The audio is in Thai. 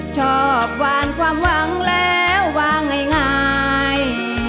ชอบหวานความหวังแล้ววางง่าย